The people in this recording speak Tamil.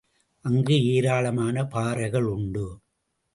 அங்கு ஏராளமான பாறைகள் உண்டு.